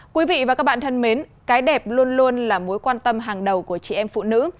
quý vị và các bạn thân mến cái đẹp luôn luôn là mối quan tâm hàng đầu của chị em phụ nữ